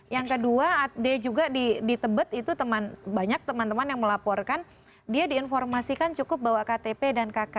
yang kedua dia juga di tebet itu banyak teman teman yang melaporkan dia diinformasikan cukup bawa ktp dan kk